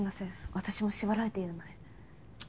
私も縛られているので。